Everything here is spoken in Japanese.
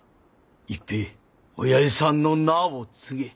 一平おやじさんの名を継げ。